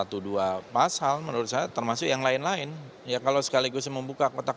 tapi mereka lebih menyodorkan ke agendanya bahwa harus ada amandemen terbatas